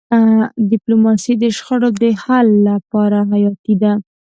ډيپلوماسي د شخړو د حل لپاره حیاتي ده.